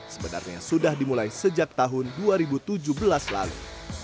sebenarnya sudah dimulai sejak tahun dua ribu tujuh belas lalu